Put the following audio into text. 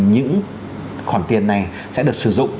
những khoản tiền này sẽ được sử dụng